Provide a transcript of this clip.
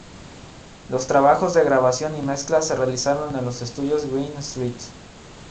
Los trabajos de grabación y mezcla se realizaron en los estudios Greene St.